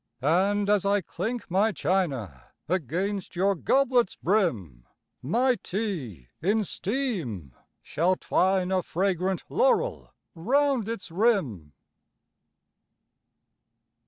And, as I clink my china Against your goblet's brim, My tea in steam shall twine a Fragrant laurel round its rim.